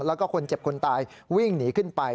แล้วก็คนเจ็บคนตายวิ่งหนีขึ้นไป